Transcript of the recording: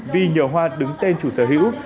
vì nhờ hoa đứng tên chủ sở hữu